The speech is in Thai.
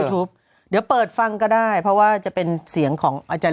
ทุบเดี๋ยวเปิดฟังก็ได้เพราะว่าจะเป็นเสียงของอาจารย์